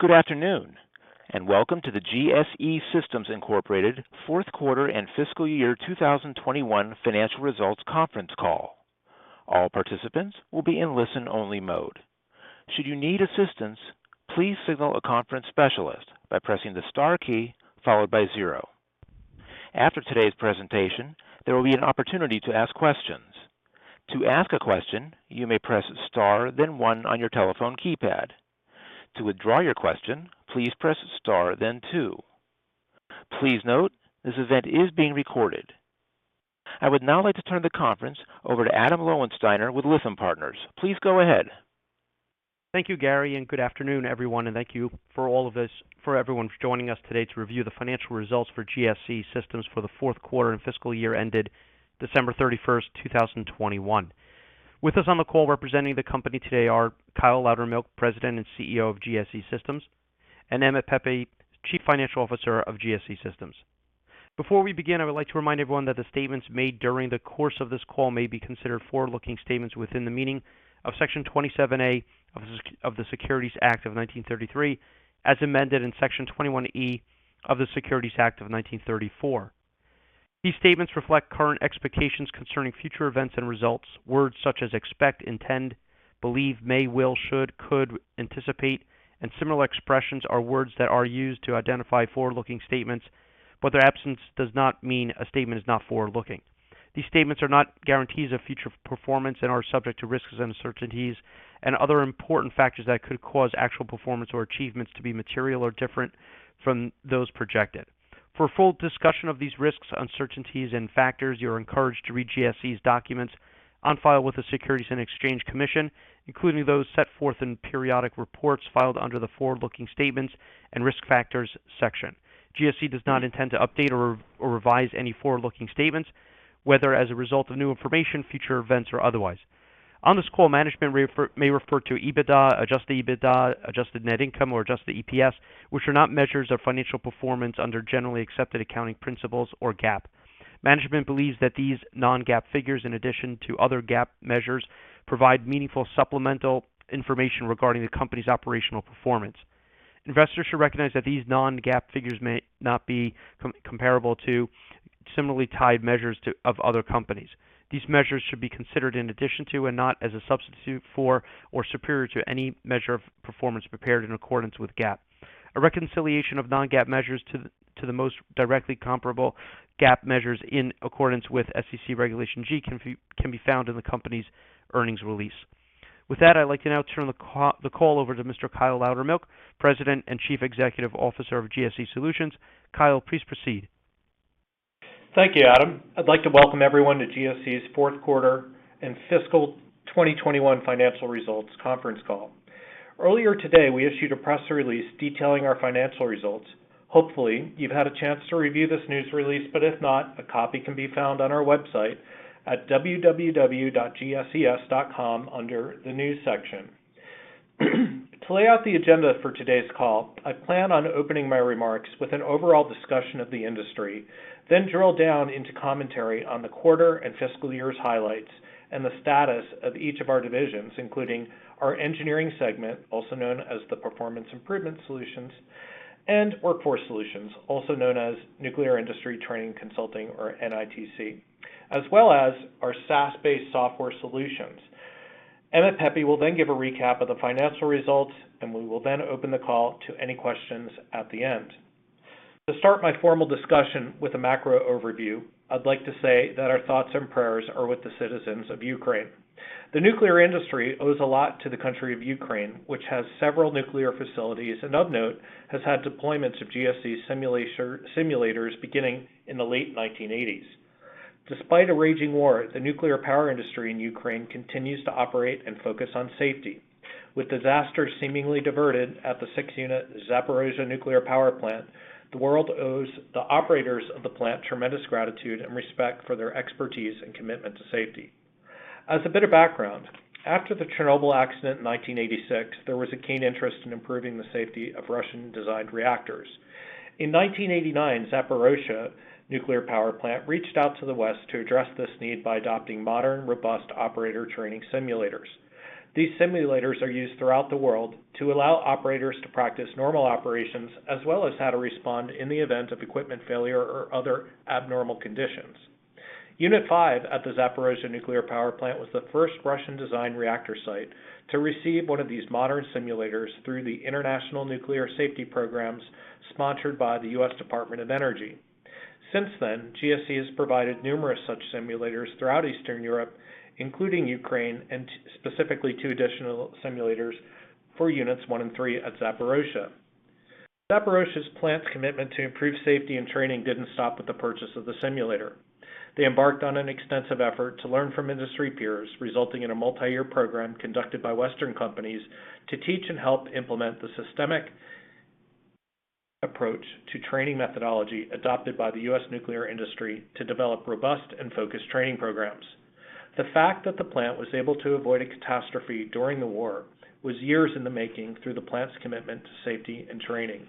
Good afternoon, and welcome to the GSE Systems Incorporated Fourth Quarter and Fiscal Year 2021 Financial Results Conference Call. All participants will be in listen-only mode. Should you need assistance, please signal a conference specialist by pressing the star key followed by zero. After today's presentation, there will be an opportunity to ask questions. To ask a question, you may press star then one on your telephone keypad. To withdraw your question, please press star then two. Please note, this event is being recorded. I would now like to turn the conference over to Adam Lowensteiner with Lytham Partners. Please go ahead. Thank you, Gary, and good afternoon, everyone, and thank you for all of this, for everyone joining us today to review the financial results for GSE Systems for the fourth quarter and fiscal year ended December 31, 2021. With us on the call representing the company today are Kyle Loudermilk, President and CEO of GSE Systems, and Emmett Pepe, Chief Financial Officer of GSE Systems. Before we begin, I would like to remind everyone that the statements made during the course of this call may be considered forward-looking statements within the meaning of Section 27A of the Securities Act of 1933, as amended in Section 21E of the Securities Exchange Act of 1934. These statements reflect current expectations concerning future events and results. Words such as expect, intend, believe, may, will, should, could, anticipate, and similar expressions are words that are used to identify forward-looking statements, but their absence does not mean a statement is not forward-looking. These statements are not guarantees of future performance and are subject to risks and uncertainties and other important factors that could cause actual performance or achievements to be materially different from those projected. For a full discussion of these risks, uncertainties and factors, you're encouraged to read GSE's documents on file with the Securities and Exchange Commission, including those set forth in periodic reports filed under the Forward-Looking Statements and Risk Factors section. GSE does not intend to update or revise any forward-looking statements, whether as a result of new information, future events or otherwise. On this call, management may refer to EBITDA, adjusted EBITDA, adjusted net income or adjusted EPS, which are not measures of financial performance under generally accepted accounting principles or GAAP. Management believes that these non-GAAP figures, in addition to other GAAP measures, provide meaningful supplemental information regarding the company's operational performance. Investors should recognize that these non-GAAP figures may not be comparable to similarly titled measures of other companies. These measures should be considered in addition to and not as a substitute for or superior to any measure of performance prepared in accordance with GAAP. A reconciliation of non-GAAP measures to the most directly comparable GAAP measures in accordance with SEC Regulation G can be found in the company's earnings release. With that, I'd like to now turn the call over to Mr. Kyle Loudermilk, President and Chief Executive Officer of GSE Solutions. Kyle, please proceed. Thank you, Adam. I'd like to welcome everyone to GSE's fourth quarter and fiscal 2021 financial results conference call. Earlier today, we issued a press release detailing our financial results. Hopefully, you've had a chance to review this news release, but if not, a copy can be found on our website at www.gses.com under the news section. To lay out the agenda for today's call, I plan on opening my remarks with an overall discussion of the industry, then drill down into commentary on the quarter and fiscal year's highlights and the status of each of our divisions, including our engineering segment, also known as the Performance Improvement Solutions, and Workforce Solutions, also known as Nuclear Industry Training Consulting or NITC, as well as our SaaS-based software solutions. Emmett Pepe will then give a recap of the financial results, and we will then open the call to any questions at the end. To start my formal discussion with a macro overview, I'd like to say that our thoughts and prayers are with the citizens of Ukraine. The nuclear industry owes a lot to the country of Ukraine, which has several nuclear facilities, and of note, has had deployments of GSE simulators beginning in the late 1980s. Despite a raging war, the nuclear power industry in Ukraine continues to operate and focus on safety. With disaster seemingly diverted at the six-unit Zaporizhzhia Nuclear Power Plant, the world owes the operators of the plant tremendous gratitude and respect for their expertise and commitment to safety. As a bit of background, after the Chernobyl accident in 1986, there was a keen interest in improving the safety of Russian-designed reactors. In 1989, Zaporizhzhia Nuclear Power Plant reached out to the West to address this need by adopting modern, robust operator training simulators. These simulators are used throughout the world to allow operators to practice normal operations, as well as how to respond in the event of equipment failure or other abnormal conditions. Unit 5 at the Zaporizhzhia Nuclear Power Plant was the first Russian-designed reactor site to receive one of these modern simulators through the International Nuclear Safety Programs sponsored by the U.S. Department of Energy. Since then, GSE has provided numerous such simulators throughout Eastern Europe, including Ukraine, and specifically two additional simulators for Units 1 and 3 at Zaporizhzhia. Zaporizhzhia's plant's commitment to improve safety and training didn't stop with the purchase of the simulator. They embarked on an extensive effort to learn from industry peers, resulting in a multi-year program conducted by Western companies to teach and help implement the systemic approach to training methodology adopted by the U.S. nuclear industry to develop robust and focused training programs. The fact that the plant was able to avoid a catastrophe during the war was years in the making through the plant's commitment to safety and training.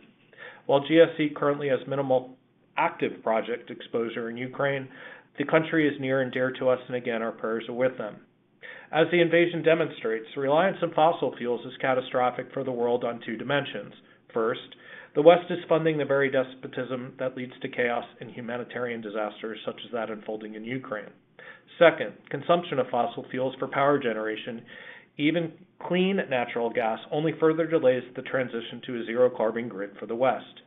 While GSE currently has minimal active project exposure in Ukraine, the country is near and dear to us, and again, our prayers are with them. As the invasion demonstrates, reliance on fossil fuels is catastrophic for the world on two dimensions. First, the West is funding the very despotism that leads to chaos and humanitarian disasters such as that unfolding in Ukraine. Second, consumption of fossil fuels for power generation, even clean natural gas, only further delays the transition to a zero carbon grid for the West.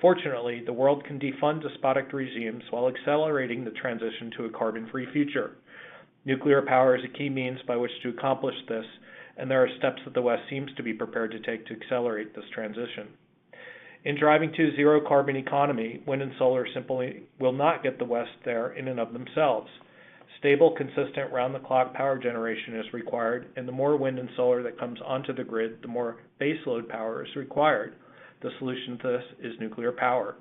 Fortunately, the world can defund despotic regimes while accelerating the transition to a carbon-free future. Nuclear power is a key means by which to accomplish this, and there are steps that the West seems to be prepared to take to accelerate this transition. In driving to a zero carbon economy, wind and solar simply will not get the West there in and of themselves. Stable, consistent, round-the-clock power generation is required, and the more wind and solar that comes onto the grid, the more base load power is required. The solution to this is nuclear power.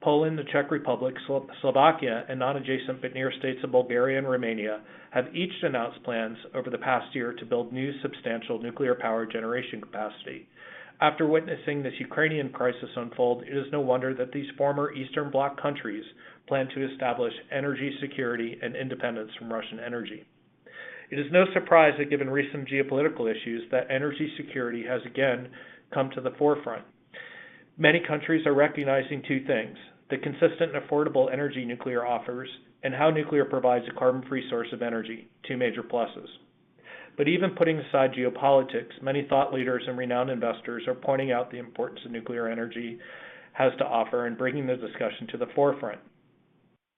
Poland, the Czech Republic, Slovakia, and non-adjacent but near states of Bulgaria and Romania have each announced plans over the past year to build new substantial nuclear power generation capacity. After witnessing this Ukrainian crisis unfold, it is no wonder that these former Eastern Bloc countries plan to establish energy security and independence from Russian energy. It is no surprise that given recent geopolitical issues that energy security has again come to the forefront. Many countries are recognizing two things, the consistent and affordable energy nuclear offers and how nuclear provides a carbon-free source of energy, two major pluses. Even putting aside geopolitics, many thought leaders and renowned investors are pointing out the importance of nuclear energy has to offer in bringing the discussion to the forefront.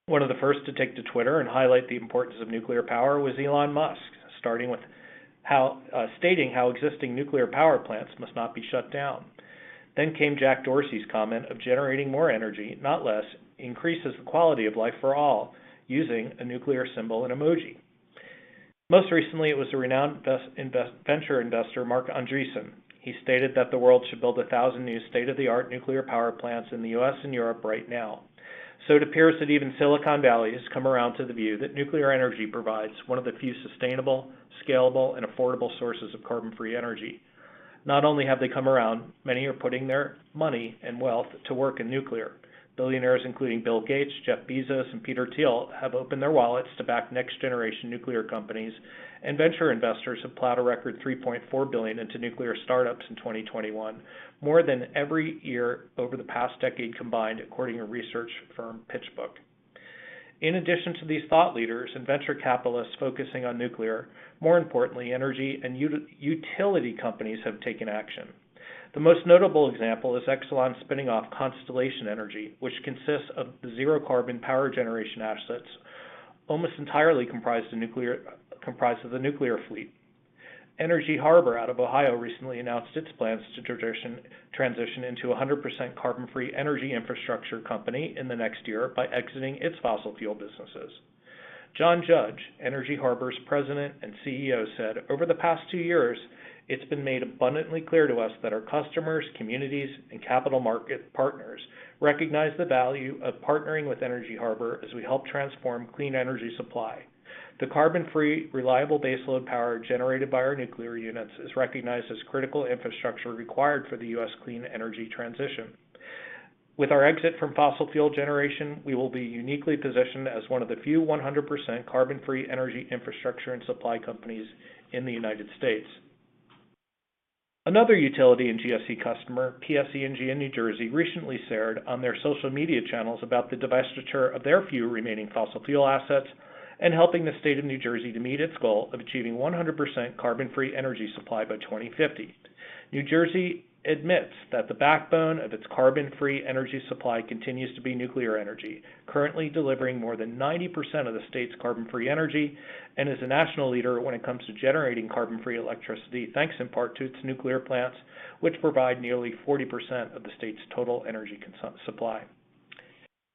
One of the first to take to Twitter and highlight the importance of nuclear power was Elon Musk, stating how existing nuclear power plants must not be shut down. Jack Dorsey's comment on generating more energy, not less, increases the quality of life for all, using a nuclear symbol and emoji. Most recently, it was a renowned venture investor, Marc Andreessen. He stated that the world should build 1,000 new state-of-the-art nuclear power plants in the U.S. and Europe right now. It appears that even Silicon Valley has come around to the view that nuclear energy provides one of the few sustainable, scalable, and affordable sources of carbon-free energy. Not only have they come around, many are putting their money and wealth to work in nuclear. Billionaires including Bill Gates, Jeff Bezos, and Peter Thiel have opened their wallets to back next generation nuclear companies, and venture investors have plowed a record $3.4 billion into nuclear startups in 2021, more than every year over the past decade combined, according to research firm PitchBook. In addition to these thought leaders and venture capitalists focusing on nuclear, more importantly, energy and utility companies have taken action. The most notable example is Exelon spinning off Constellation Energy, which consists of the zero carbon power generation assets, almost entirely comprised of the nuclear fleet. Energy Harbor out of Ohio recently announced its plans to transition into a 100% carbon-free energy infrastructure company in the next year by exiting its fossil fuel businesses. John Judge, Energy Harbor's President and CEO, said, "Over the past two years, it's been made abundantly clear to us that our customers, communities, and capital market partners recognize the value of partnering with Energy Harbor as we help transform clean energy supply. The carbon-free, reliable base load power generated by our nuclear units is recognized as critical infrastructure required for the U.S. clean energy transition. With our exit from fossil fuel generation, we will be uniquely positioned as one of the few 100% carbon-free energy infrastructure and supply companies in the United States." Another utility and GSE customer, PSE&G in New Jersey, recently shared on their social media channels about the divestiture of their few remaining fossil fuel assets and helping the state of New Jersey to meet its goal of achieving 100% carbon-free energy supply by 2050. New Jersey admits that the backbone of its carbon-free energy supply continues to be nuclear energy, currently delivering more than 90% of the state's carbon-free energy, and is a national leader when it comes to generating carbon-free electricity, thanks in part to its nuclear plants, which provide nearly 40% of the state's total energy supply.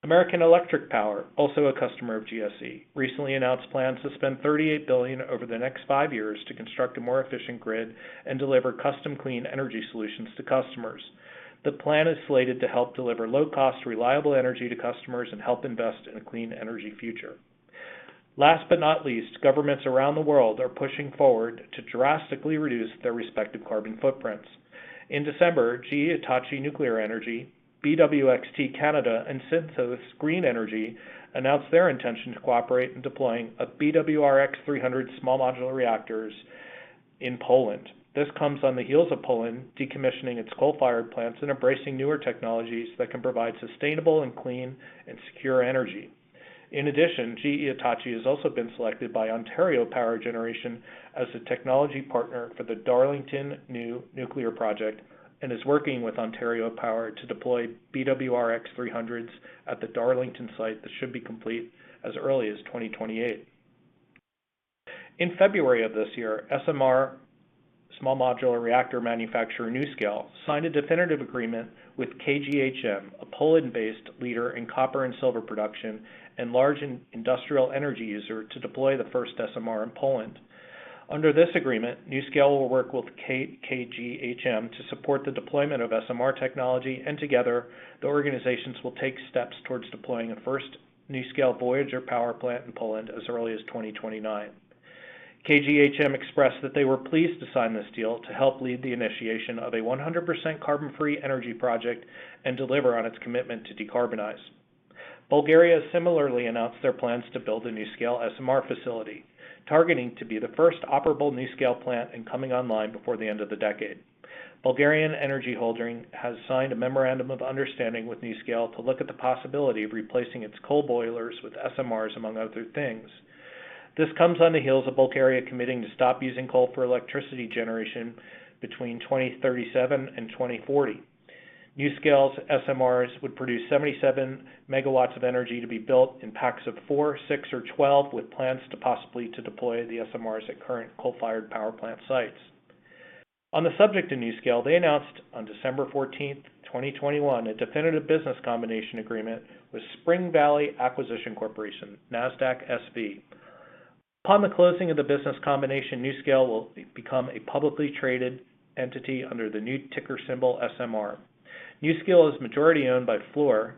American Electric Power, also a customer of GSE, recently announced plans to spend $38 billion over the next five years to construct a more efficient grid and deliver custom clean energy solutions to customers. The plan is slated to help deliver low-cost, reliable energy to customers and help invest in a clean energy future. Last but not least, governments around the world are pushing forward to drastically reduce their respective carbon footprints. In December, GE Hitachi Nuclear Energy, BWXT Canada, and Synthos Green Energy announced their intention to cooperate in deploying a BWRX-300 small modular reactors in Poland. This comes on the heels of Poland decommissioning its coal-fired plants and embracing newer technologies that can provide sustainable and clean and secure energy. In addition, GE Hitachi has also been selected by Ontario Power Generation as the technology partner for the Darlington nuclear project and is working with Ontario Power to deploy BWRX-300s at the Darlington site that should be complete as early as 2028. In February of this year, SMR small modular reactor manufacturer NuScale signed a definitive agreement with KGHM, a Poland-based leader in copper and silver production and large industrial energy user, to deploy the first SMR in Poland. Under this agreement, NuScale will work with KGHM to support the deployment of SMR technology, and together, the organizations will take steps towards deploying a first NuScale VOYGR power plant in Poland as early as 2029. KGHM expressed that they were pleased to sign this deal to help lead the initiation of a 100% carbon-free energy project and deliver on its commitment to decarbonize. Bulgaria similarly announced their plans to build a NuScale SMR facility, targeting to be the first operable NuScale plant and coming online before the end of the decade. Bulgarian Energy Holding has signed a memorandum of understanding with NuScale to look at the possibility of replacing its coal boilers with SMRs, among other things. This comes on the heels of Bulgaria committing to stop using coal for electricity generation between 2037 and 2040. NuScale's SMRs would produce 77 MW of energy to be built in packs of four, six, or 12, with plans to possibly deploy the SMRs at current coal-fired power plant sites. On the subject of NuScale, they announced on December 14, 2021, a definitive business combination agreement with Spring Valley Acquisition Corporation, NASDAQ SV. Upon the closing of the business combination, NuScale will become a publicly traded entity under the new ticker symbol SMR. NuScale is majority owned by Fluor,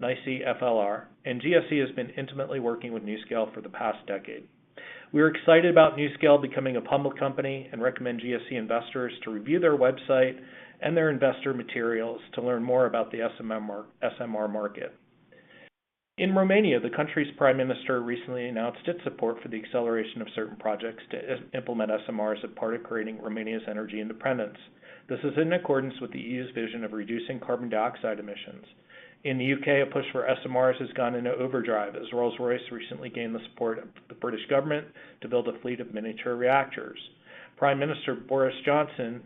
NYSE FLR, and GSE has been intimately working with NuScale for the past decade. We're excited about NuScale becoming a public company and recommend GSE investors to review their website and their investor materials to learn more about the SMR market. In Romania, the country's prime minister recently announced its support for the acceleration of certain projects to implement SMRs as part of creating Romania's energy independence. This is in accordance with the EU's vision of reducing carbon dioxide emissions. In the U.K., a push for SMRs has gone into overdrive as Rolls-Royce recently gained the support of the British government to build a fleet of miniature reactors. Prime Minister Boris Johnson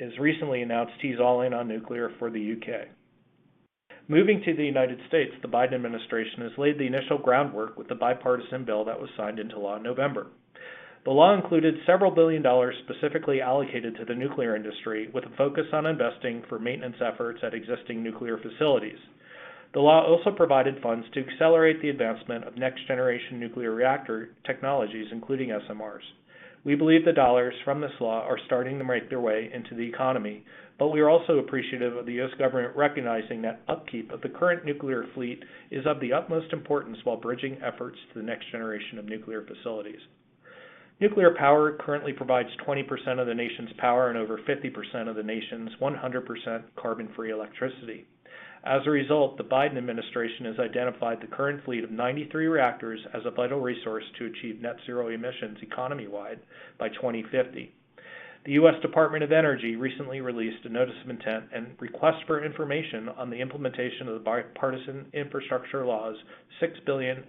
has recently announced he's all in on nuclear for the U.K. Moving to the United States, the Biden administration has laid the initial groundwork with the bipartisan bill that was signed into law in November. The law included several billion dollars specifically allocated to the nuclear industry, with a focus on investing for maintenance efforts at existing nuclear facilities. The law also provided funds to accelerate the advancement of next-generation nuclear reactor technologies, including SMRs. We believe the dollars from this law are starting to make their way into the economy, but we are also appreciative of the U.S. government recognizing that upkeep of the current nuclear fleet is of the utmost importance while bridging efforts to the next generation of nuclear facilities. Nuclear power currently provides 20% of the nation's power and over 50% of the nation's 100% carbon-free electricity. As a result, the Biden administration has identified the current fleet of 93 reactors as a vital resource to achieve net zero emissions economy-wide by 2050. The U.S. Department of Energy recently released a Notice of Intent and Request for Information on the implementation of the Bipartisan Infrastructure Law's $6 billion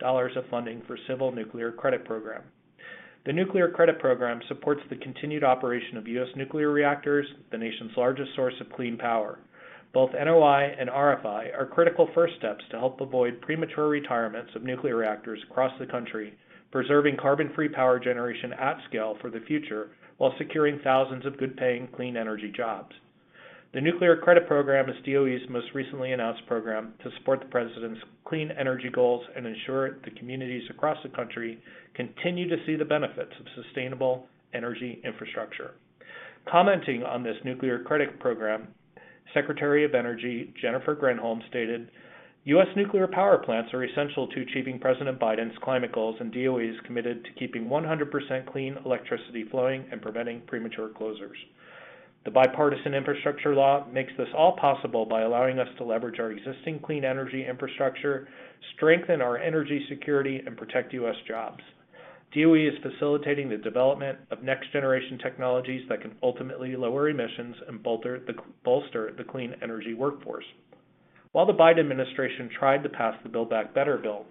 of funding for Civil Nuclear Credit Program. The Nuclear Credit Program supports the continued operation of U.S. nuclear reactors, the nation's largest source of clean power. Both NOI and RFI are critical first steps to help avoid premature retirements of nuclear reactors across the country, preserving carbon-free power generation at scale for the future while securing thousands of good-paying clean energy jobs. The Nuclear Credit Program is DOE's most recently announced program to support the President's clean energy goals and ensure that communities across the country continue to see the benefits of sustainable energy infrastructure. Commenting on this Nuclear Credit Program, Secretary of Energy Jennifer Granholm stated, "U.S. nuclear power plants are essential to achieving President Biden's climate goals, and DOE is committed to keeping 100% clean electricity flowing and preventing premature closures. The Bipartisan Infrastructure Law makes this all possible by allowing us to leverage our existing clean energy infrastructure, strengthen our energy security, and protect U.S. jobs. DOE is facilitating the development of next-generation technologies that can ultimately lower emissions and bolster the clean energy workforce. While the Biden administration tried to pass the Build Back Better bill,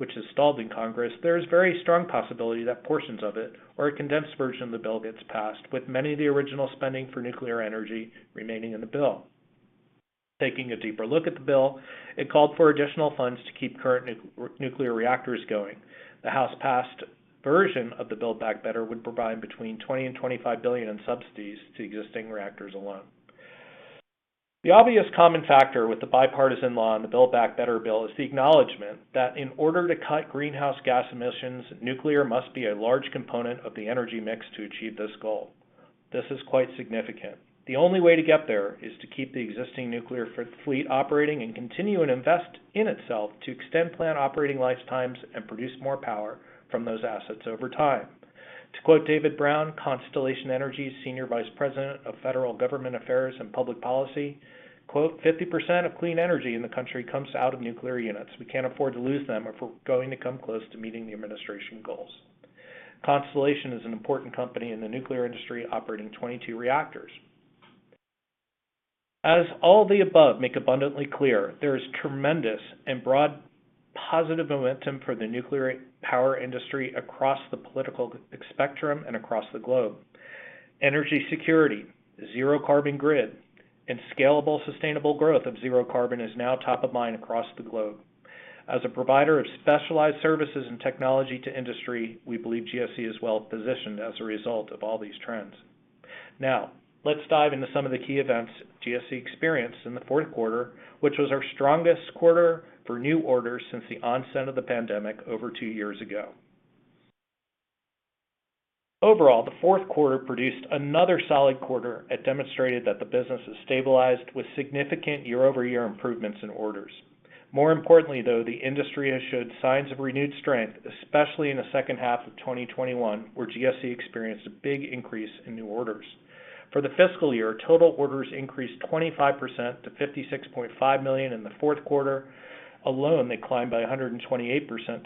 which has stalled in Congress, there is a very strong possibility that portions of it or a condensed version of the bill gets passed, with many of the original spending for nuclear energy remaining in the bill. Taking a deeper look at the bill, it called for additional funds to keep current nuclear reactors going. The House-passed version of the Build Back Better would provide between $20 billion and $25 billion in subsidies to existing reactors alone. The obvious common factor with the Bipartisan Infrastructure Law and the Build Back Better bill is the acknowledgement that in order to cut greenhouse gas emissions, nuclear must be a large component of the energy mix to achieve this goal. This is quite significant. The only way to get there is to keep the existing nuclear fleet operating and continue and invest in itself to extend plant operating lifetimes and produce more power from those assets over time. To quote David Brown, Constellation Energy's Senior Vice President of Federal Government Affairs and Public Policy, quote, "50% of clean energy in the country comes out of nuclear units. We can't afford to lose them if we're going to come close to meeting the administration goals." Constellation is an important company in the nuclear industry, operating 22 reactors. As all the above make abundantly clear, there is tremendous and broad positive momentum for the nuclear power industry across the political spectrum and across the globe. Energy security, zero carbon grid, and scalable, sustainable growth of zero carbon is now top of mind across the globe. As a provider of specialized services and technology to industry, we believe GSE is well-positioned as a result of all these trends. Now, let's dive into some of the key events GSE experienced in the fourth quarter, which was our strongest quarter for new orders since the onset of the pandemic over two years ago. Overall, the fourth quarter produced another solid quarter and demonstrated that the business has stabilized with significant year-over-year improvements in orders. More importantly, though, the industry has showed signs of renewed strength, especially in the second half of 2021, where GSE experienced a big increase in new orders. For the fiscal year, total orders increased 25% to $56.5 million in the fourth quarter. Alone, they climbed by 128%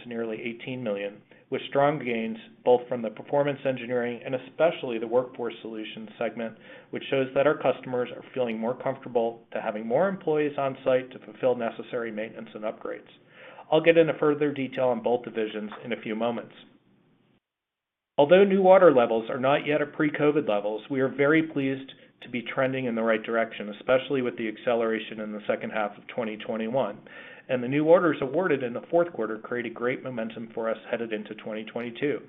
to nearly $18 million, with strong gains both from the performance engineering and especially the Workforce Solutions segment, which shows that our customers are feeling more comfortable to having more employees on site to fulfill necessary maintenance and upgrades. I'll get into further detail on both divisions in a few moments. Although new order levels are not yet at pre-COVID levels, we are very pleased to be trending in the right direction, especially with the acceleration in the second half of 2021. The new orders awarded in the fourth quarter created great momentum for us headed into 2022.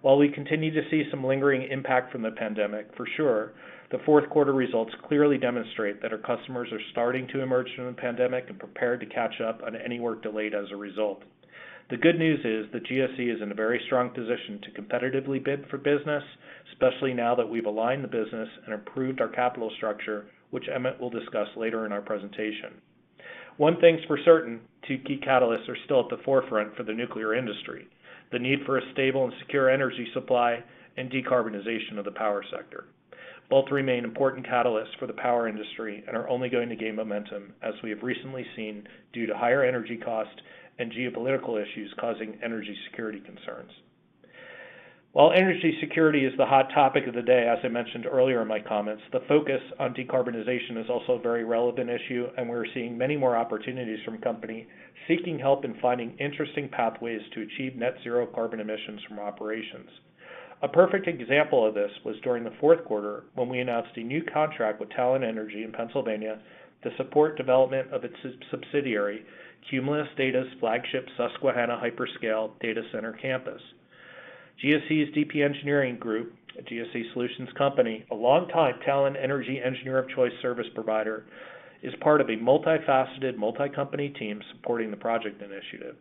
While we continue to see some lingering impact from the pandemic, for sure, the fourth quarter results clearly demonstrate that our customers are starting to emerge from the pandemic and prepared to catch up on any work delayed as a result. The good news is that GSE is in a very strong position to competitively bid for business, especially now that we've aligned the business and improved our capital structure, which Emmett will discuss later in our presentation. One thing's for certain. Two key catalysts are still at the forefront for the nuclear industry, the need for a stable and secure energy supply and decarbonization of the power sector. Both remain important catalysts for the power industry and are only going to gain momentum, as we have recently seen, due to higher energy cost and geopolitical issues causing energy security concerns. While energy security is the hot topic of the day, as I mentioned earlier in my comments, the focus on decarbonization is also a very relevant issue, and we're seeing many more opportunities from companies seeking help in finding interesting pathways to achieve net zero carbon emissions from operations. A perfect example of this was during the fourth quarter, when we announced a new contract with Talen Energy in Pennsylvania to support development of its sub-subsidiary, Cumulus Data's flagship Susquehanna Hyperscale Data Center campus. GSE's DP Engineering Group, a GSE Solutions company, a long-time Talen Energy engineering of choice service provider, is part of a multifaceted, multi-company team supporting the project initiative.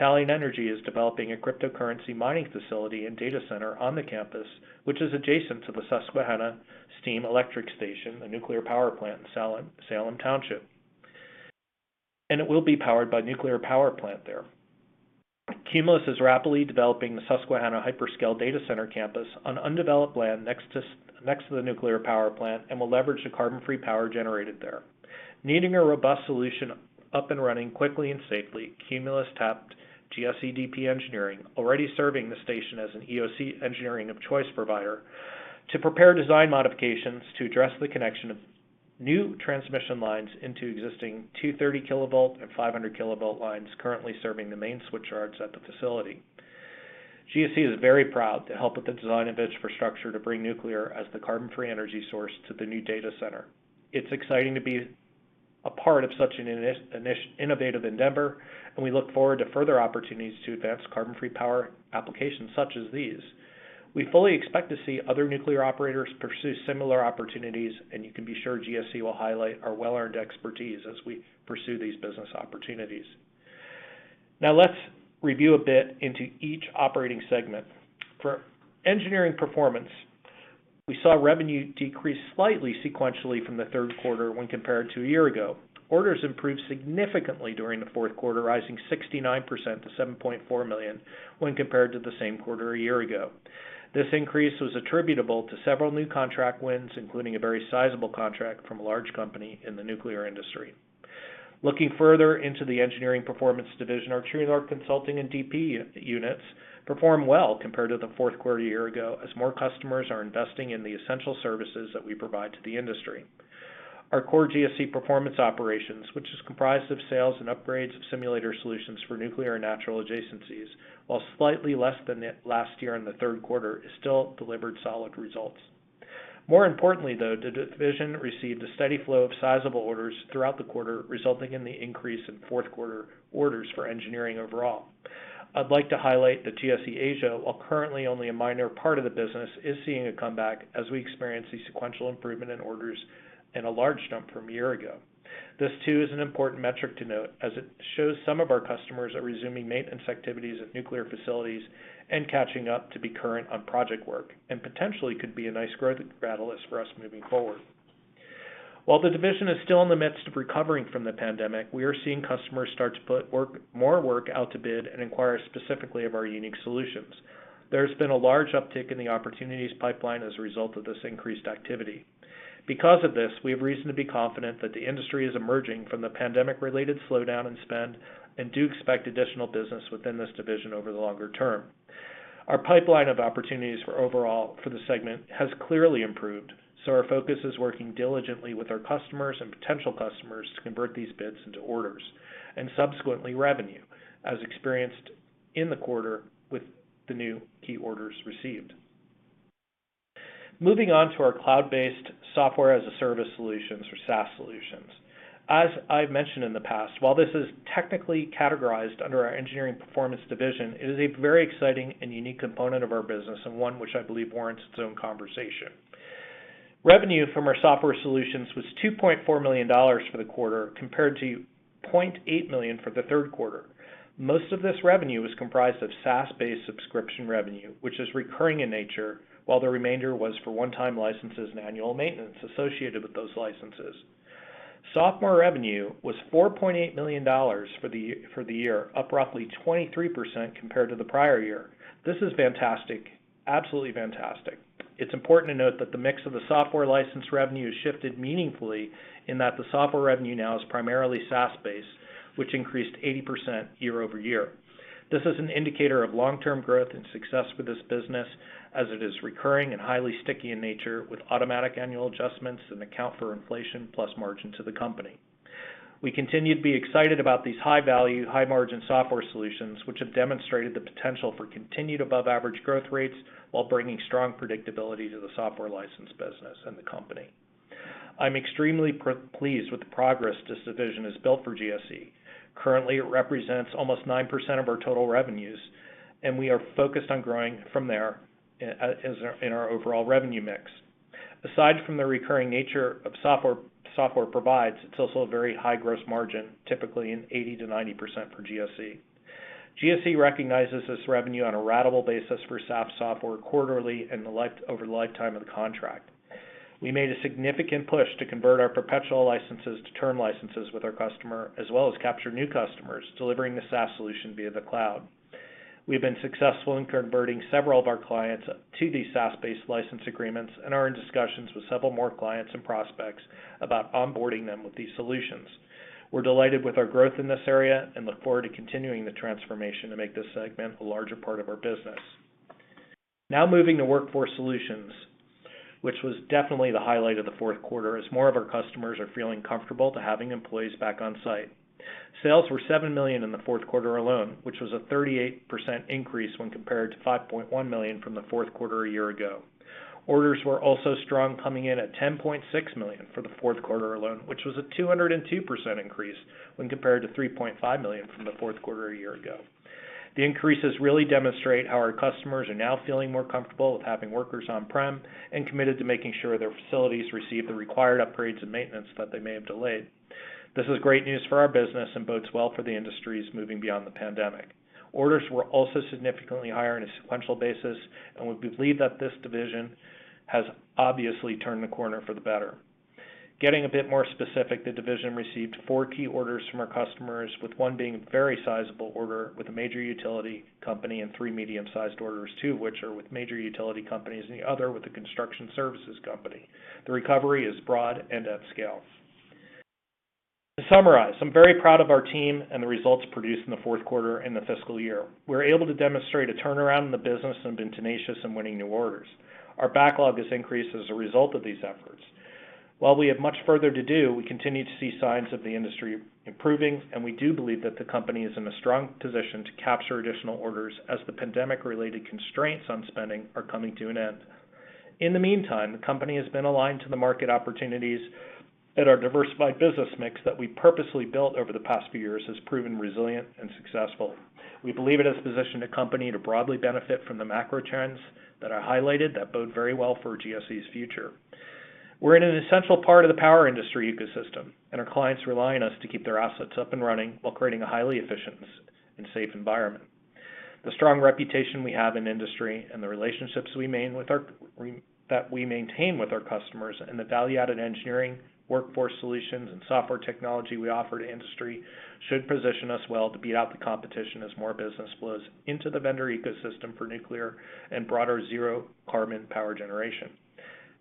Talen Energy is developing a cryptocurrency mining facility and data center on the campus, which is adjacent to the Susquehanna Steam Electric Station, a nuclear power plant in Salem Township, and it will be powered by nuclear power plant there. Cumulus is rapidly developing the Susquehanna Hyperscale Data Center campus on undeveloped land next to the nuclear power plant and will leverage the carbon-free power generated there. Needing a robust solution up and running quickly and safely, Cumulus tapped GSE DP Engineering, already serving the station as an EOC engineering of choice provider, to prepare design modifications to address the connection of new transmission lines into existing 230-kilovolt and 500-kilovolt lines currently serving the main switch yards at the facility. GSE is very proud to help with the design of infrastructure to bring nuclear as the carbon-free energy source to the new data center. It's exciting to be a part of such an innovative endeavor, and we look forward to further opportunities to advance carbon-free power applications such as these. We fully expect to see other nuclear operators pursue similar opportunities, and you can be sure GSE will highlight our well-earned expertise as we pursue these business opportunities. Now let's review a bit into each operating segment. For engineering performance, we saw revenue decrease slightly sequentially from the third quarter when compared to a year ago. Orders improved significantly during the fourth quarter, rising 69% to $7.4 million when compared to the same quarter a year ago. This increase was attributable to several new contract wins, including a very sizable contract from a large company in the nuclear industry. Looking further into the engineering performance division, our True North Consulting and DP units performed well compared to the fourth quarter a year ago, as more customers are investing in the essential services that we provide to the industry. Our core GSE performance operations, which is comprised of sales and upgrades of simulator solutions for nuclear and natural adjacencies, while slightly less than last year in the third quarter, still delivered solid results. More importantly, though, the division received a steady flow of sizable orders throughout the quarter, resulting in the increase in fourth quarter orders for engineering overall. I'd like to highlight that GSE Asia, while currently only a minor part of the business, is seeing a comeback as we experience a sequential improvement in orders and a large jump from a year ago. This too is an important metric to note, as it shows some of our customers are resuming maintenance activities at nuclear facilities and catching up to be current on project work, and potentially could be a nice growth catalyst for us moving forward. While the division is still in the midst of recovering from the pandemic, we are seeing customers start to put more work out to bid and inquire specifically of our unique solutions. There's been a large uptick in the opportunities pipeline as a result of this increased activity. Because of this, we have reason to be confident that the industry is emerging from the pandemic-related slowdown in spend and do expect additional business within this division over the longer term. Our pipeline of opportunities overall for the segment has clearly improved, so our focus is working diligently with our customers and potential customers to convert these bids into orders and subsequently revenue, as experienced in the quarter with the new key orders received. Moving on to our cloud-based software as a service solutions or SaaS solutions. As I've mentioned in the past, while this is technically categorized under our engineering performance division, it is a very exciting and unique component of our business and one which I believe warrants its own conversation. Revenue from our software solutions was $2.4 million for the quarter, compared to $0.8 million for the third quarter. Most of this revenue is comprised of SaaS-based subscription revenue, which is recurring in nature, while the remainder was for one-time licenses and annual maintenance associated with those licenses. Software revenue was $4.8 million for the year, up roughly 23% compared to the prior year. This is fantastic. Absolutely fantastic. It's important to note that the mix of the software license revenue has shifted meaningfully in that the software revenue now is primarily SaaS-based, which increased 80% year-over-year. This is an indicator of long-term growth and success for this business as it is recurring and highly sticky in nature with automatic annual adjustments and account for inflation plus margin to the company. We continue to be excited about these high value, high margin software solutions, which have demonstrated the potential for continued above average growth rates while bringing strong predictability to the software license business and the company. I'm extremely pleased with the progress this division has built for GSE. Currently, it represents almost 9% of our total revenues, and we are focused on growing from there in our overall revenue mix. Aside from the recurring nature of software provides, it's also a very high gross margin, typically in 80%-90% for GSE. GSE recognizes this revenue on a ratable basis for SaaS software quarterly and over the lifetime of the contract. We made a significant push to convert our perpetual licenses to term licenses with our customer, as well as capture new customers delivering the SaaS solution via the cloud. We've been successful in converting several of our clients to these SaaS-based license agreements and are in discussions with several more clients and prospects about onboarding them with these solutions. We're delighted with our growth in this area and look forward to continuing the transformation to make this segment a larger part of our business. Now moving to Workforce Solutions, which was definitely the highlight of the fourth quarter as more of our customers are feeling comfortable to having employees back on site. Sales were $7 million in the fourth quarter alone, which was a 38% increase when compared to $5.1 million from the fourth quarter a year ago. Orders were also strong, coming in at $10.6 million for the fourth quarter alone, which was a 202% increase when compared to $3.5 million from the fourth quarter a year ago. The increases really demonstrate how our customers are now feeling more comfortable with having workers on-prem and committed to making sure their facilities receive the required upgrades and maintenance that they may have delayed. This is great news for our business and bodes well for the industries moving beyond the pandemic. Orders were also significantly higher on a sequential basis, and we believe that this division has obviously turned the corner for the better. Getting a bit more specific, the division received four key orders from our customers, with one being a very sizable order with a major utility company and three medium-sized orders, two which are with major utility companies and the other with a construction services company. The recovery is broad and at scale. To summarize, I'm very proud of our team and the results produced in the fourth quarter and the fiscal year. We were able to demonstrate a turnaround in the business and been tenacious in winning new orders. Our backlog has increased as a result of these efforts. While we have much further to do, we continue to see signs of the industry improving, and we do believe that the company is in a strong position to capture additional orders as the pandemic-related constraints on spending are coming to an end. In the meantime, the company has been aligned to the market opportunities and our diversified business mix that we purposely built over the past few years has proven resilient and successful. We believe it has positioned the company to broadly benefit from the macro trends that are highlighted that bode very well for GSE's future. We're in an essential part of the power industry ecosystem, and our clients rely on us to keep their assets up and running while creating a highly efficient and safe environment. The strong reputation we have in industry and the relationships that we maintain with our customers and the value-added engineering, Workforce Solutions, and software technology we offer to industry should position us well to beat out the competition as more business flows into the vendor ecosystem for nuclear and broader zero carbon power generation.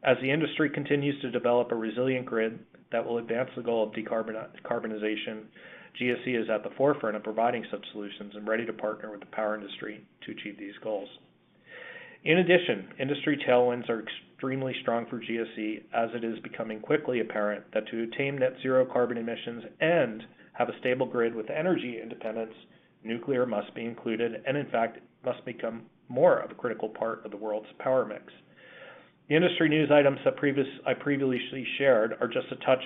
As the industry continues to develop a resilient grid that will advance the goal of decarbonization, GSE is at the forefront of providing such solutions and ready to partner with the power industry to achieve these goals. In addition, industry tailwinds are extremely strong for GSE as it is becoming quickly apparent that to attain net zero carbon emissions and have a stable grid with energy independence, nuclear must be included and in fact, must become more of a critical part of the world's power mix. The industry news items that I previously shared are just a touch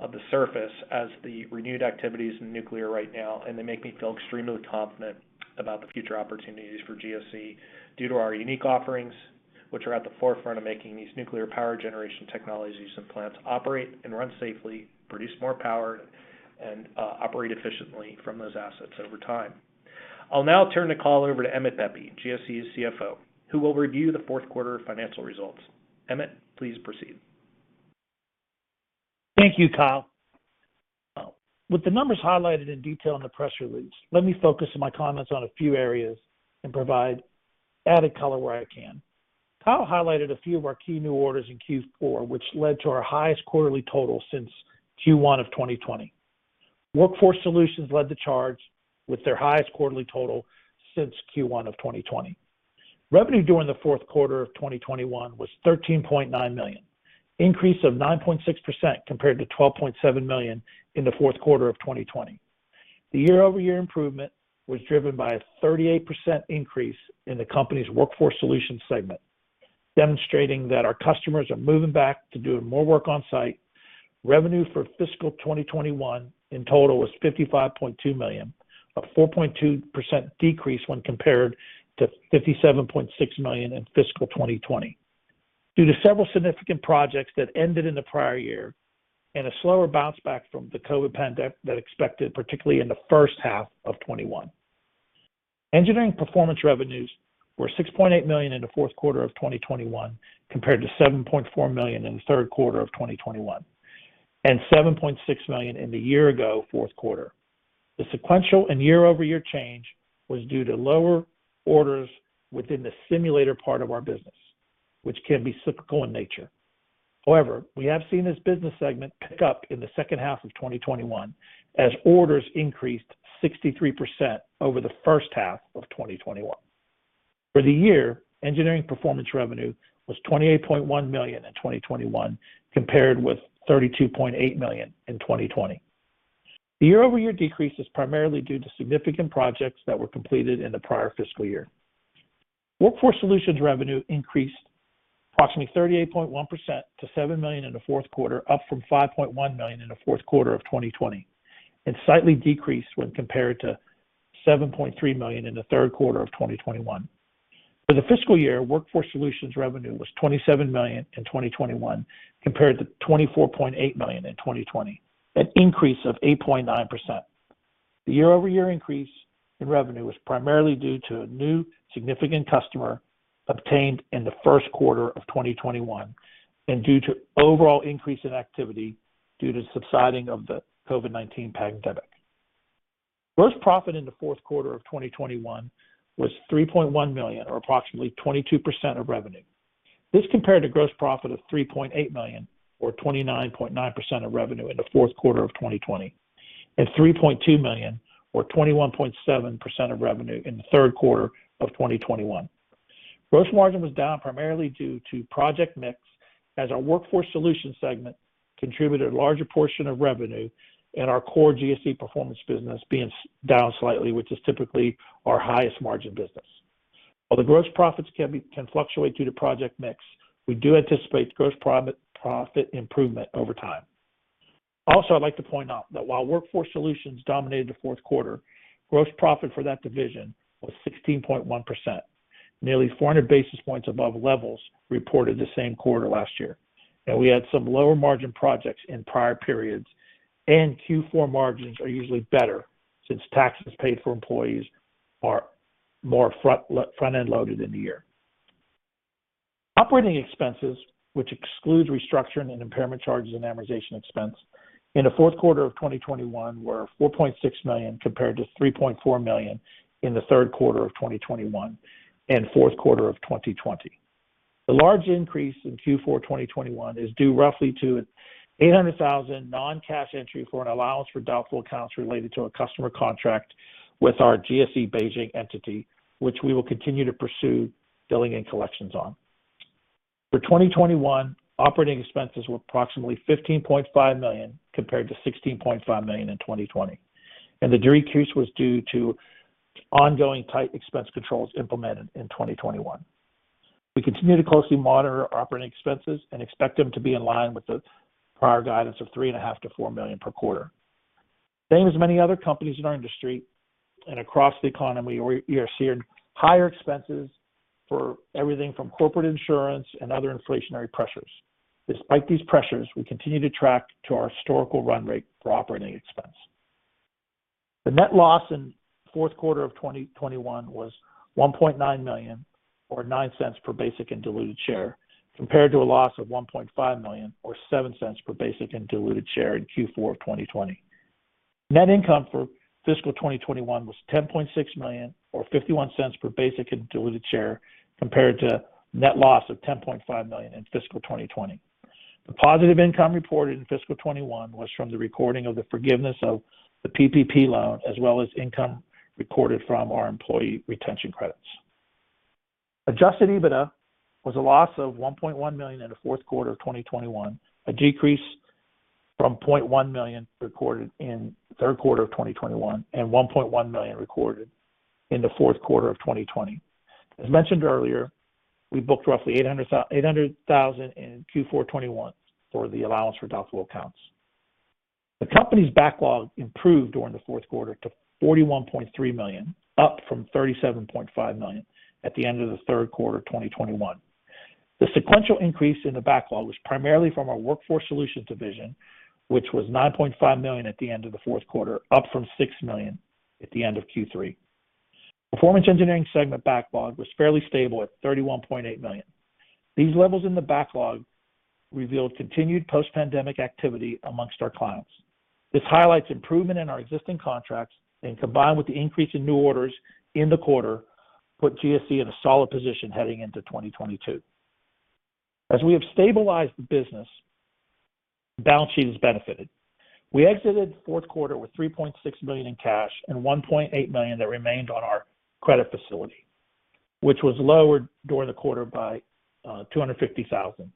of the surface as the renewed activities in nuclear right now, and they make me feel extremely confident about the future opportunities for GSE due to our unique offerings, which are at the forefront of making these nuclear power generation technologies and plants operate and run safely, produce more power, and operate efficiently from those assets over time. I'll now turn the call over to Emmett Pepe, GSE's CFO, who will review the fourth quarter financial results. Emmett, please proceed. Thank you, Kyle. With the numbers highlighted in detail in the press release, let me focus my comments on a few areas and provide added color where I can. Kyle highlighted a few of our key new orders in Q4, which led to our highest quarterly total since Q1 of 2020. Workforce Solutions led the charge with their highest quarterly total since Q1 of 2020. Revenue during the fourth quarter of 2021 was $13.9 million, an increase of 9.6% compared to $12.7 million in the fourth quarter of 2020. The year-over-year improvement was driven by a 38% increase in the company's Workforce Solutions segment, demonstrating that our customers are moving back to doing more work on-site. Revenue for fiscal 2021 in total was $55.2 million, a 4.2% decrease when compared to $57.6 million in fiscal 2020. Due to several significant projects that ended in the prior year and a slower bounce back from the COVID pandemic than expected, particularly in the first half of 2021. Engineering performance revenues were $6.8 million in the fourth quarter of 2021, compared to $7.4 million in the third quarter of 2021, and $7.6 million in the year-ago fourth quarter. The sequential and year-over-year change was due to lower orders within the simulator part of our business, which can be cyclical in nature. However, we have seen this business segment pick up in the second half of 2021 as orders increased 63% over the first half of 2021. For the year, engineering performance revenue was $28.1 million in 2021, compared with $32.8 million in 2020. The year-over-year decrease is primarily due to significant projects that were completed in the prior fiscal year. Workforce Solutions revenue increased approximately 38.1% to $7 million in the fourth quarter, up from $5.1 million in the fourth quarter of 2020, and slightly decreased when compared to $7.3 million in the third quarter of 2021. For the fiscal year, Workforce Solutions revenue was $27 million in 2021 compared to $24.8 million in 2020, an increase of 8.9%. The year-over-year increase in revenue was primarily due to a new significant customer obtained in the first quarter of 2021 and due to overall increase in activity due to subsiding of the COVID-19 pandemic. Gross profit in the fourth quarter of 2021 was $3.1 million or approximately 22% of revenue. This compared to gross profit of $3.8 million or 29.9% of revenue in the fourth quarter of 2020, and $3.2 million or 21.7% of revenue in the third quarter of 2021. Gross margin was down primarily due to project mix as our Workforce Solutions segment contributed a larger portion of revenue and our core GSE Performance business being down slightly, which is typically our highest margin business. While the gross profits can be can fluctuate due to project mix, we do anticipate gross profit improvement over time. Also, I'd like to point out that while Workforce Solutions dominated the fourth quarter, gross profit for that division was 16.1%, nearly 400 basis points above levels reported the same quarter last year. Now we had some lower margin projects in prior periods, and Q4 margins are usually better since taxes paid for employees are more front-end loaded in the year. Operating expenses, which excludes restructuring and impairment charges and amortization expense in the fourth quarter of 2021 were $4.6 million compared to $3.4 million in the third quarter of 2021 and fourth quarter of 2020. The large increase in Q4 2021 is due roughly to an $800,000 non-cash entry for an allowance for doubtful accounts related to a customer contract with our GSE Beijing entity, which we will continue to pursue billing and collections on. For 2021, operating expenses were approximately $15.5 million compared to $16.5 million in 2020, and the decrease was due to ongoing tight expense controls implemented in 2021. We continue to closely monitor our operating expenses and expect them to be in line with the prior guidance of $3.5 million-$4 million per quarter. Same as many other companies in our industry and across the economy, we are seeing higher expenses for everything from corporate insurance and other inflationary pressures. Despite these pressures, we continue to track to our historical run rate for operating expense. The net loss in fourth quarter of 2021 was $1.9 million or $0.09 per basic and diluted share, compared to a loss of $1.5 million or $0.07 per basic and diluted share in Q4 of 2020. Net income for fiscal 2021 was $10.6 million or $0.51 per basic and diluted share, compared to net loss of $10.5 million in fiscal 2020. The positive income reported in fiscal 2021 was from the recording of the forgiveness of the PPP loan, as well as income recorded from our employee retention credits. Adjusted EBITDA was a loss of $1.1 million in the fourth quarter of 2021, a decrease from $0.1 million recorded in the third quarter of 2021 and $1.1 million recorded in the fourth quarter of 2020. As mentioned earlier, we booked roughly $800,000 in Q4 2021 for the allowance for doubtful accounts. The company's backlog improved during the fourth quarter to $41.3 million, up from $37.5 million at the end of the third quarter 2021. The sequential increase in the backlog was primarily from our Workforce Solutions division, which was $9.5 million at the end of the fourth quarter, up from $6 million at the end of Q3. Performance Improvement Solutions segment backlog was fairly stable at $31.8 million. These levels in the backlog revealed continued post-pandemic activity among our clients. This highlights improvement in our existing contracts, and combined with the increase in new orders in the quarter, put GSE in a solid position heading into 2022. As we have stabilized the business, the balance sheet has benefited. We exited the fourth quarter with $3.6 million in cash and $1.8 million that remained on our credit facility, which was lowered during the quarter by $250,000.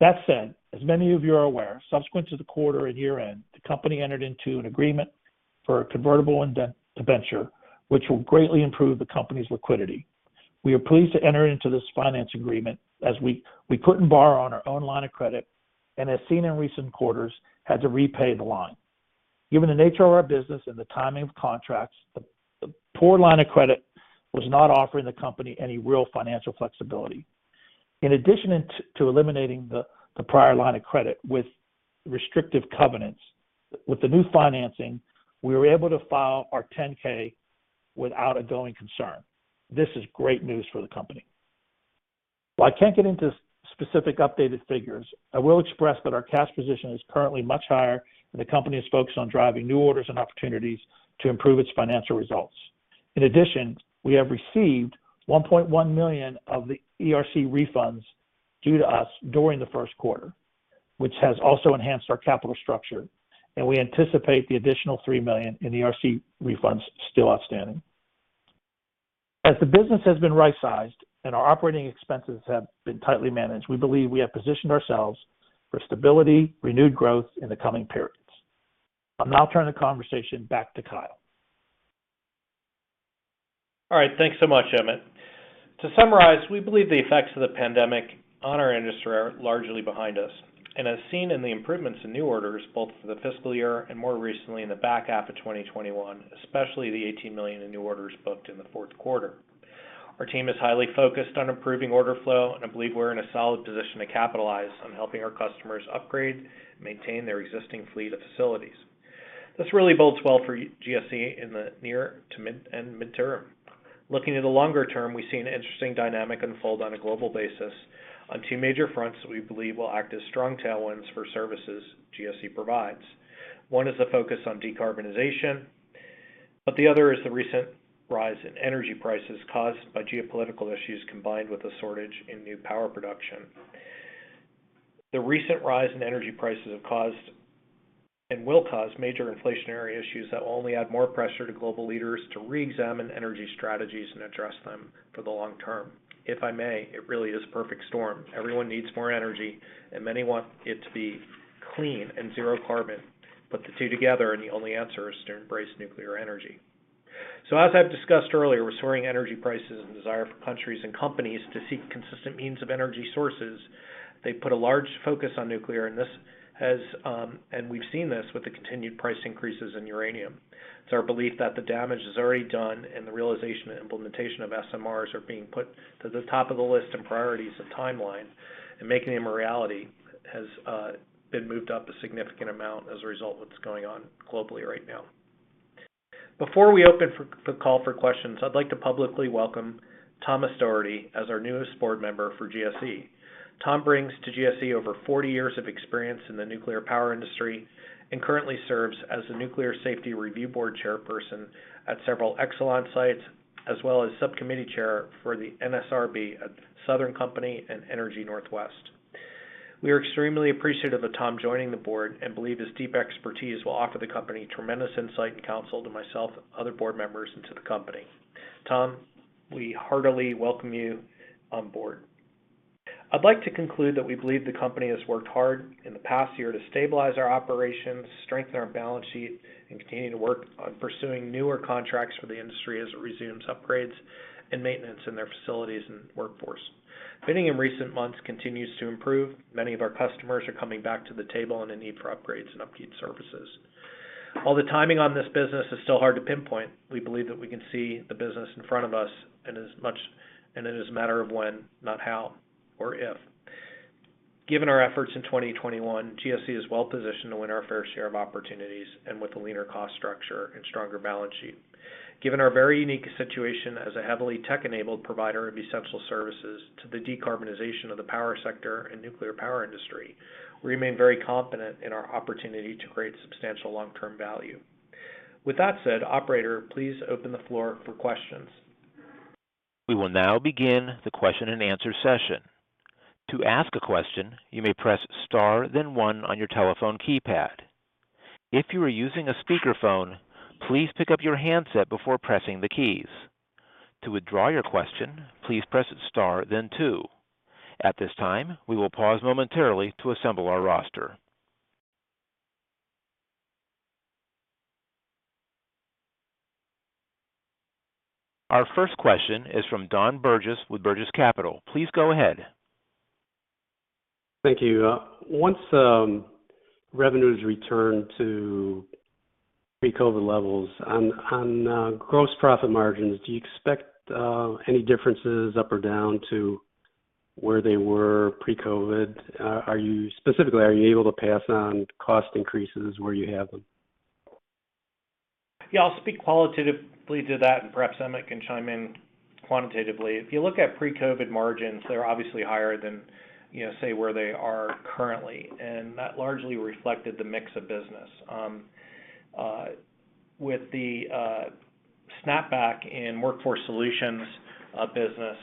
That said, as many of you are aware, subsequent to the quarter and year-end, the company entered into an agreement for a convertible debenture which will greatly improve the company's liquidity. We are pleased to enter into this finance agreement as we couldn't borrow on our own line of credit and as seen in recent quarters, had to repay the line. Given the nature of our business and the timing of contracts, the poor line of credit was not offering the company any real financial flexibility. In addition to eliminating the prior line of credit with restrictive covenants, with the new financing, we were able to file our 10-K without a going concern. This is great news for the company. While I can't get into specific updated figures, I will express that our cash position is currently much higher, and the company is focused on driving new orders and opportunities to improve its financial results. In addition, we have received $1.1 million of the ERC refunds due to us during the first quarter, which has also enhanced our capital structure, and we anticipate the additional $3 million in ERC refunds still outstanding. As the business has been right-sized and our operating expenses have been tightly managed, we believe we have positioned ourselves for stability, renewed growth in the coming periods. I'll now turn the conversation back to Kyle. All right. Thanks so much, Emmett. To summarize, we believe the effects of the pandemic on our industry are largely behind us. As seen in the improvements in new orders both for the fiscal year and more recently in the back half of 2021, especially the $18 million in new orders booked in the fourth quarter. Our team is highly focused on improving order flow, and I believe we're in a solid position to capitalize on helping our customers upgrade, maintain their existing fleet of facilities. This really bodes well for GSE in the near to mid and midterm. Looking at the longer term, we see an interesting dynamic unfold on a global basis on two major fronts that we believe will act as strong tailwinds for services GSE provides. One is the focus on decarbonization, but the other is the recent rise in energy prices caused by geopolitical issues combined with a shortage in new power production. The recent rise in energy prices have caused and will cause major inflationary issues that will only add more pressure to global leaders to reexamine energy strategies and address them for the long term. If I may, it really is a perfect storm. Everyone needs more energy and many want it to be clean and zero carbon. Put the two together, and the only answer is to embrace nuclear energy. As I've discussed earlier, with soaring energy prices and desire for countries and companies to seek consistent means of energy sources, they put a large focus on nuclear, and this has and we've seen this with the continued price increases in uranium. It's our belief that the damage is already done and the realization and implementation of SMRs are being put to the top of the list in priorities and timeline, and making them a reality has been moved up a significant amount as a result of what's going on globally right now. Before we open the call for questions, I'd like to publicly welcome Thomas J. Dougherty as our newest board member for GSE. Tom brings to GSE over 40 years of experience in the nuclear power industry and currently serves as the Nuclear Safety Review Board Chairperson at several Exelon sites, as well as Subcommittee Chair for the NSRB at Southern Company and Energy Northwest. We are extremely appreciative of Tom joining the board and believe his deep expertise will offer the company tremendous insight and counsel to myself, other board members, and to the company. Tom, we heartily welcome you on board. I'd like to conclude that we believe the company has worked hard in the past year to stabilize our operations, strengthen our balance sheet, and continue to work on pursuing newer contracts for the industry as it resumes upgrades and maintenance in their facilities and workforce. Bidding in recent months continues to improve. Many of our customers are coming back to the table on a need for upgrades and upkeep services. While the timing on this business is still hard to pinpoint, we believe that we can see the business in front of us and it is a matter of when, not how or if. Given our efforts in 2021, GSE is well positioned to win our fair share of opportunities and with a leaner cost structure and stronger balance sheet. Given our very unique situation as a heavily tech-enabled provider of essential services to the decarbonization of the power sector and nuclear power industry, we remain very confident in our opportunity to create substantial long-term value. With that said, operator, please open the floor for questions. We will now begin the question-and-answer session. To ask a question, you may press star then one on your telephone keypad. If you are using a speakerphone, please pick up your handset before pressing the keys. To withdraw your question, please press star then two. At this time, we will pause momentarily to assemble our roster. Our first question is from Don Burgess with Burgess Capital. Please go ahead. Thank you. Once revenues return to pre-COVID levels, on gross profit margins, do you expect any differences up or down to where they were pre-COVID? Specifically, are you able to pass on cost increases where you have them? Yeah. I'll speak qualitatively to that, and perhaps Emmett can chime in quantitatively. If you look at pre-COVID margins, they're obviously higher than, you know, say where they are currently, and that largely reflected the mix of business with the snapback in Workforce Solutions business,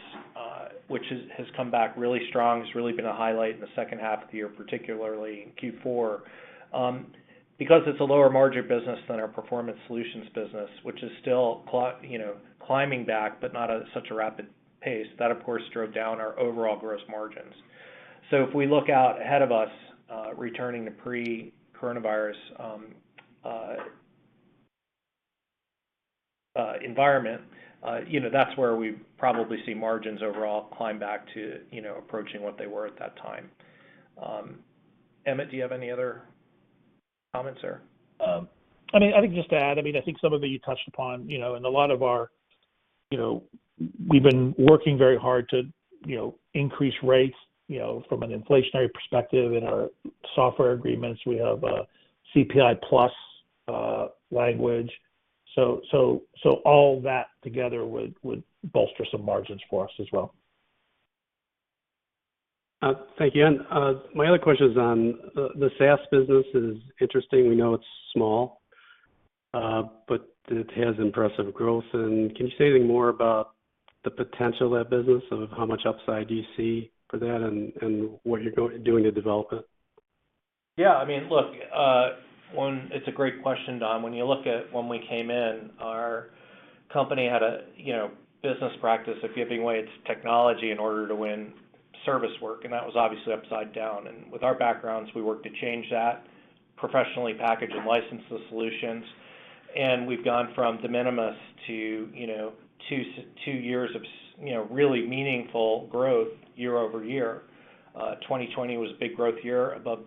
which has come back really strong, has really been a highlight in the second half of the year, particularly in Q4. Because it's a lower margin business than our Performance Solutions business, which is still climbing back, you know, but not at such a rapid pace. That, of course, drove down our overall gross margins. If we look out ahead of us, returning to pre-coronavirus environment, you know, that's where we probably see margins overall climb back to, you know, approaching what they were at that time. Emmett, do you have any other comments there? I mean, I think just to add, some of it you touched upon, you know, and a lot of our, you know. We've been working very hard to, you know, increase rates, you know, from an inflationary perspective in our software agreements. We have a CPI plus language. All that together would bolster some margins for us as well. Thank you. My other question is on the SaaS business, which is interesting. We know it's small, but it has impressive growth. Can you say anything more about the potential of that business and how much upside do you see for that and what you're doing to develop it? Yeah. I mean, look, one, it's a great question, Don. When you look at when we came in, our company had a, you know, business practice of giving away its technology in order to win service work, and that was obviously upside down. With our backgrounds, we worked to change that, professionally package and license the solutions. We've gone from de minimis to, you know, two years of really meaningful growth year-over-year. 2020 was a big growth year above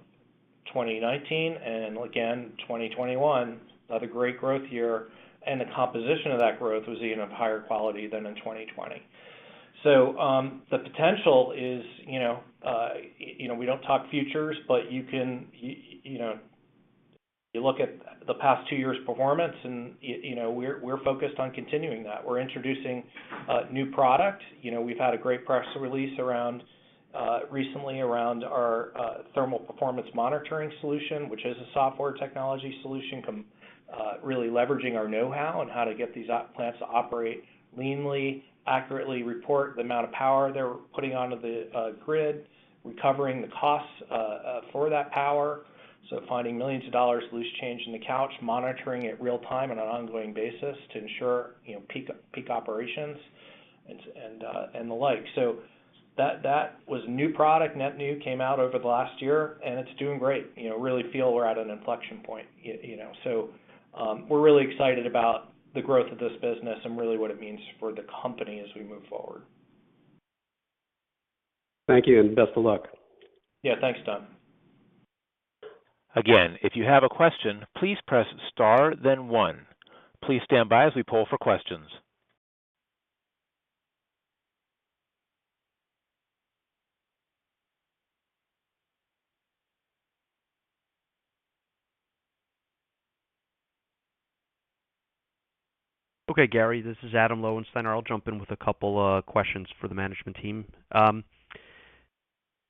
2019, and again, 2021, another great growth year. The composition of that growth was even higher quality than in 2020. The potential is, you know, we don't talk futures, but you can, you know, look at the past two years' performance and, you know, we're focused on continuing that. We're introducing new product. You know, we've had a great press release recently around our thermal performance monitoring solution, which is a software technology solution really leveraging our know-how on how to get these operating plants to operate leanly, accurately report the amount of power they're putting onto the grid, recovering the costs for that power, finding millions of dollars loose change in the couch, monitoring it real time on an ongoing basis to ensure, you know, peak operations and the like. That was new product, net new, came out over the last year, and it's doing great. You know, I really feel we're at an inflection point, you know. We're really excited about the growth of this business and really what it means for the company as we move forward. Thank you, and best of luck. Yeah. Thanks, Don. Again, if you have a question, please press star then one. Please stand by as we poll for questions. Okay, Gary, this is Adam Lowenstein. I'll jump in with a couple questions for the management team.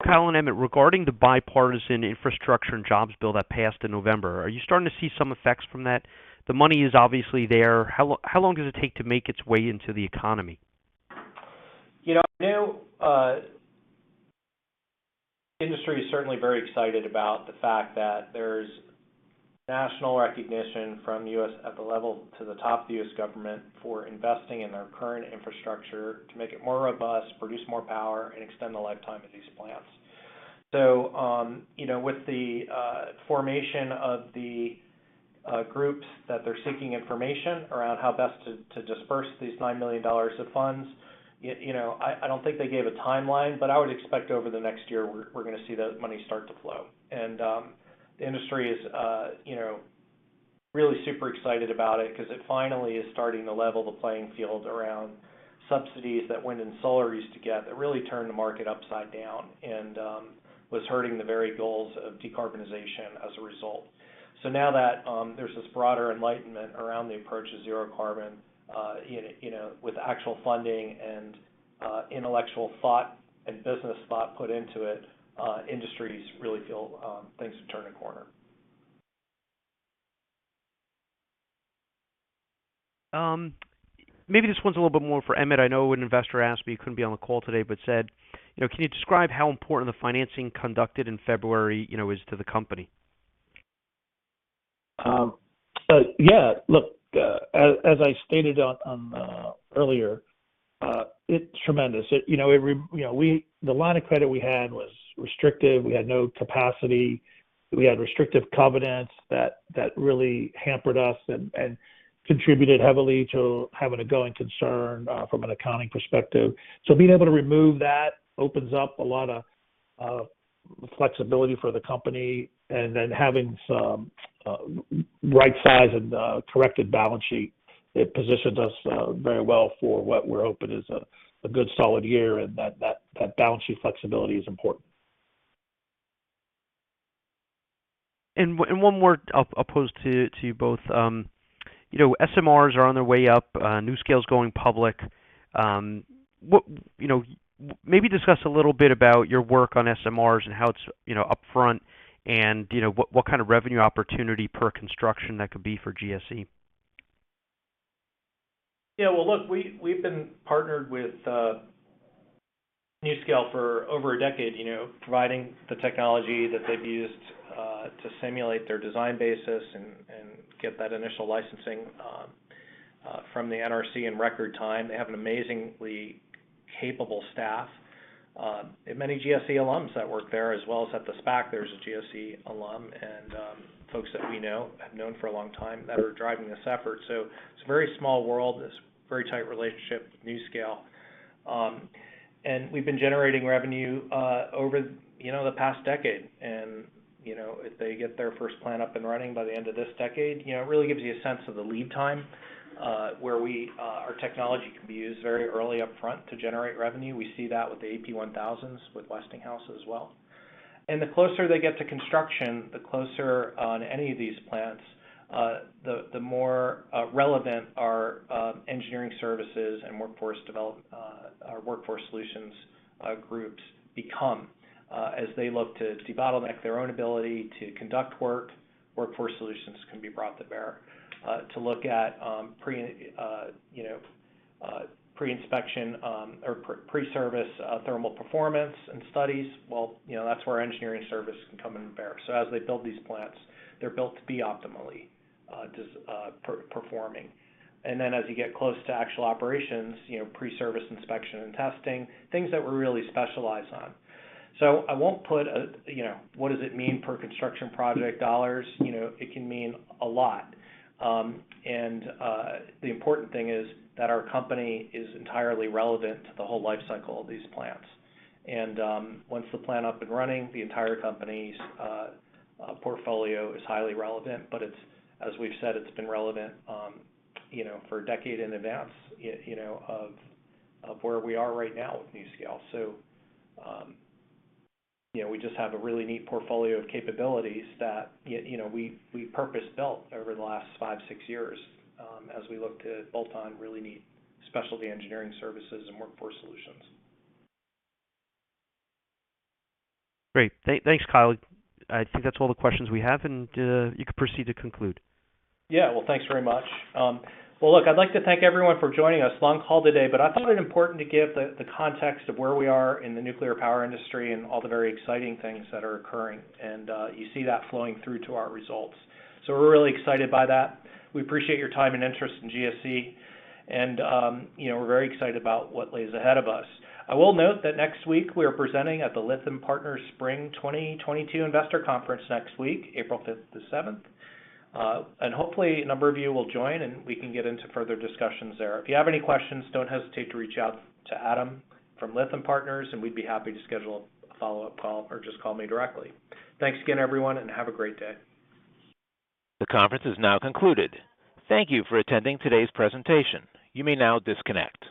Kyle and Emmett, regarding the Bipartisan Infrastructure and Jobs Bill that passed in November, are you starting to see some effects from that? The money is obviously there. How long does it take to make its way into the economy? You know, I know, industry is certainly very excited about the fact that there's national recognition from U.S. at the level to the top of the U.S. government for investing in their current infrastructure to make it more robust, produce more power, and extend the lifetime of these plants. You know, with the formation of the groups that they're seeking information around how best to disperse these $9 million of funds, you know, I don't think they gave a timeline, but I would expect over the next year, we're gonna see that money start to flow. The industry is, you know, really super excited about it 'cause it finally is starting to level the playing field around subsidies that wind and solar used to get that really turned the market upside down and was hurting the very goals of decarbonization as a result. Now that there's this broader enlightenment around the approach to zero carbon, you know, with actual funding and intellectual thought and business thought put into it, industries really feel things have turned a corner. Maybe this one's a little bit more for Emmett. I know an investor asked me, couldn't be on the call today, but said, you know, "Can you describe how important the financing conducted in February, you know, is to the company? Yeah, look, as I stated on earlier, it's tremendous. You know, the line of credit we had was restrictive. We had no capacity. We had restrictive covenants that really hampered us and contributed heavily to having a going concern from an accounting perspective. Being able to remove that opens up a lot of flexibility for the company. Having some right size and corrected balance sheet, it positions us very well for what we're hoping is a good solid year, and that balance sheet flexibility is important. One more I'll pose to you both. You know, SMRs are on their way up. NuScale's going public. You know, maybe discuss a little bit about your work on SMRs and how it's up front and what kind of revenue opportunity per construction that could be for GSE. Yeah. Well, look, we've been partnered with NuScale for over a decade, you know, providing the technology that they've used to simulate their design basis and get that initial licensing from the NRC in record time. They have an amazingly capable staff and many GSE alums that work there as well as at the SPAC. There's a GSE alum and folks that we know have known for a long time that are driving this effort. It's a very small world. It's a very tight relationship with NuScale. We've been generating revenue over, you know, the past decade and, you know, if they get their first plant up and running by the end of this decade, you know, it really gives you a sense of the lead time, where we, our technology can be used very early upfront to generate revenue. We see that with the AP1000s with Westinghouse as well. The closer they get to construction, the closer on any of these plants, the more relevant our engineering services and our Workforce Solutions groups become, as they look to debottleneck their own ability to conduct work. Workforce Solutions can be brought to bear to look at pre-inspection or pre-service thermal performance and studies. Well, you know, that's where engineering service can come to bear. As they build these plants, they're built to be optimally super-performing. Then as you get close to actual operations, you know, pre-service inspection and testing, things that we're really specialized on. I won't put a, you know, what does it mean per construction project dollars. You know, it can mean a lot. The important thing is that our company is entirely relevant to the whole life cycle of these plants. Once the plant is up and running, the entire company's portfolio is highly relevant, but it's, as we've said, it's been relevant, you know, for a decade in advance, you know, of where we are right now with NuScale. You know, we just have a really neat portfolio of capabilities that, you know, we purpose-built over the last 5, 6 years as we look to bolt on really neat specialty engineering services and Workforce Solutions. Great. Thanks, Kyle. I think that's all the questions we have, and you can proceed to conclude. Yeah. Well, thanks very much. Well, look, I'd like to thank everyone for joining us. Long call today, but I thought it important to give the context of where we are in the nuclear power industry and all the very exciting things that are occurring, and you see that flowing through to our results. We're really excited by that. We appreciate your time and interest in GSE, and you know, we're very excited about what lies ahead of us. I will note that next week we are presenting at the Lytham Partners Spring 2022 Investor Conference next week, April 5-7. And hopefully a number of you will join, and we can get into further discussions there. If you have any questions, don't hesitate to reach out to Adam from Lytham Partners, and we'd be happy to schedule a follow-up call or just call me directly. Thanks again, everyone, and have a great day. The conference is now concluded. Thank you for attending today's presentation. You may now disconnect.